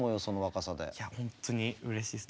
いや本当にうれしいです。